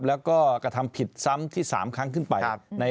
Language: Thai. แล้วก็กระทำผิดซ้ำที่๓ครั้งขึ้นไป